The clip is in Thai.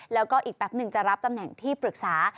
แล้วก็อีกแป๊บหนึ่งจะรับตำแหน่งที่ปรึกษา